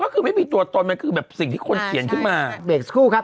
ก็ด้วยแหละอะไรสุดท้ายอย่างไร